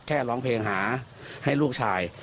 ร้องเพลงหาให้ลูกชาย